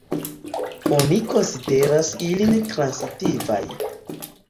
Oni konsideras ilin transitivaj.